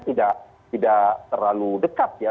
tidak terlalu dekat ya